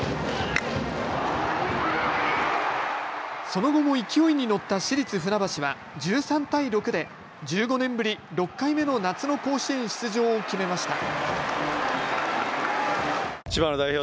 その後も勢いに乗った市立船橋は１３対６で１５年ぶり６回目の夏の甲子園出場を決めました。